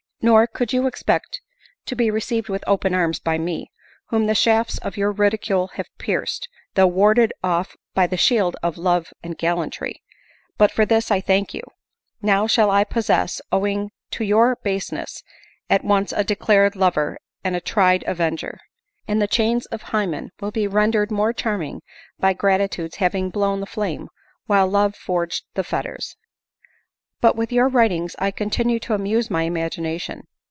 Nor could you expect to be received with open arms by me, whom the shafts of your ridicule have pierced, though warded off by the shield of love and gallantry ; but for this I thank you ! Now shall I possess, owing to your baseness, at once a declared lover and a tried avenger ; and the chains of Hymen will be rendered more charming by gratitude's having blown the flame, while love forged the letters. " But with your writings I continue to amuse my imagination.